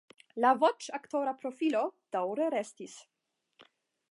La voĉaktora profilo daŭre restis.